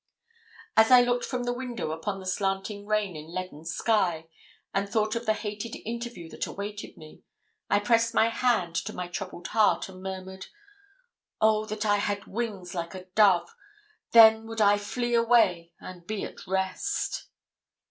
As I looked from the window upon the slanting rain and leaden sky, and thought of the hated interview that awaited me, I pressed my hand to my troubled heart, and murmured, 'O that I had wings like a dove! then would I flee away, and be at rest.'